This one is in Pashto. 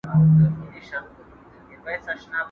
¬ نامردان د مړو لاري وهي.